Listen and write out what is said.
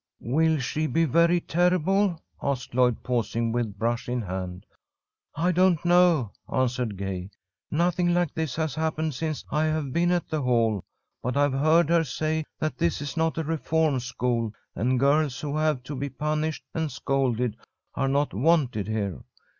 "Will she be very terrible?" asked Lloyd, pausing with brush in hand. "I don't know," answered Gay. "Nothing like this has happened since I have been at the Hall, but I've heard her say that this is not a reform school, and girls who have to be punished and scolded are not wanted here.